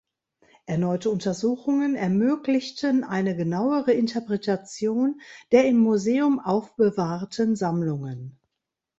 Erneute Untersuchungen ermöglichten eine genauere Interpretation der im Museum aufbewahrten Sammlungen.